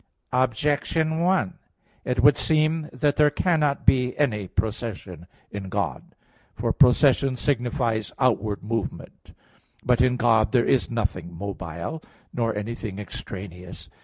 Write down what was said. Objection 1: It would seem that there cannot be any procession in God. For procession signifies outward movement. But in God there is nothing mobile, nor anything extraneous.